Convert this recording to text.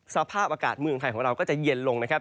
สภาพอากาศเมืองไทยของเราก็จะเย็นลงนะครับ